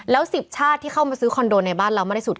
แล้ว๑๐ชาติที่เข้ามาซื้อคอนโดในบ้านเรามากที่สุด